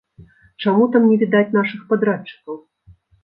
Чаму там не відаць нашых падрадчыкаў?